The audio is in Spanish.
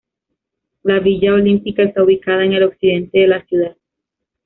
La Villa Olímpica está ubicada en el occidente de la ciudad.